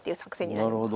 なるほど。